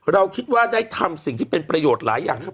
เราคิดว่าได้ทำสิ่งที่เป็นประโยชน์หลายอย่างนะครับ